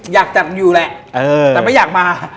อยากจัดอยู่แหละแต่ไม่อยากมา